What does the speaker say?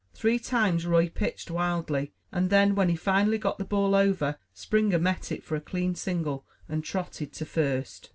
Three times Roy pitched wildly, and then when he finally got the ball over, Springer met it for a clean single, and trotted to first.